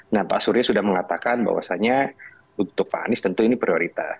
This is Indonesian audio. nah pak surya sudah mengatakan bahwasannya untuk pak anies tentu ini prioritas